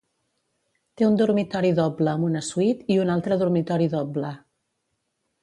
Té un dormitori doble amb una suite i un altre dormitori doble.